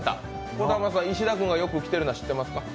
兒玉さん、石田さんがよく来ているのは知っていますか？